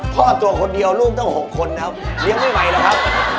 ตัวคนเดียวลูกตั้ง๖คนนะครับเลี้ยงไม่ไหวหรอกครับ